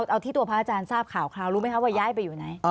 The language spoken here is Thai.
เอาที่ตัวพระอาจารย์ทราบข่าวคราวรู้ไหมคะว่าย้ายไปอยู่ไหน